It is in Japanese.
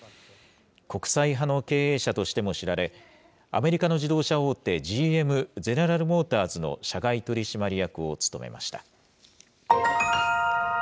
国際派の経営者としても知られ、アメリカの自動車大手、ＧＭ・ゼネラル・モーターズの社外取締役を務めました。